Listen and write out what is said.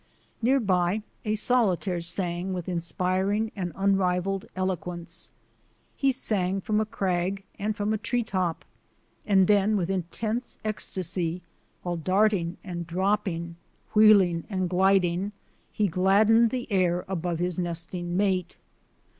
Near by a solitaire sang with inspiring and unrivalled eloquence. He sang from a crag and from a tree top, and then with intense ecstasy, while darting and dropping, wheeling and gliding, he gladdened the air above his nesting mate.